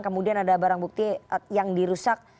kemudian ada barang bukti yang dirusak